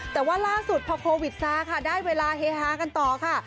แต่ว่าล่าสุดพอโควิดซาค่ะได้เวลาเฮฮากันต่อค่ะ